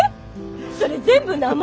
それ全部名前？